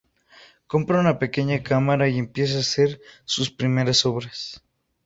Compra una pequeña cámara y empieza a hacer sus primeras obras.